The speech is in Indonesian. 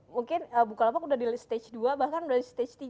mungkin bukalapak udah di stage dua bahkan udah di stage tiga